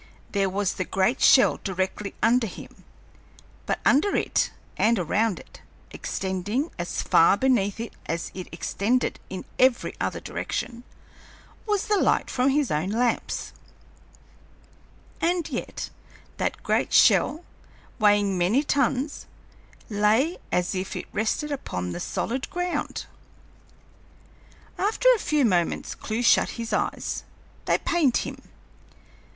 There was the great shell directly under him, but under it and around it, extending as far beneath it as it extended in every other direction, was the light from his own lamps, and yet that great shell, weighing many tons, lay as if it rested upon the solid ground! After a few moments Clewe shut his eyes; they pained him.